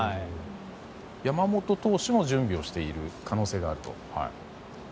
山本投手も準備をしている可能性があると。